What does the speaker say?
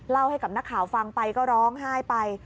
ให้กับนักข่าวฟังไปก็ร้องไห้ไป